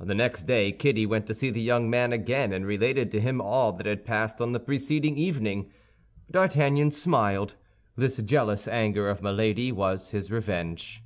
The next day Kitty went to see the young man again, and related to him all that had passed on the preceding evening. D'Artagnan smiled; this jealous anger of Milady was his revenge.